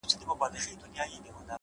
هوښیار انسان فرصتونه ساتي!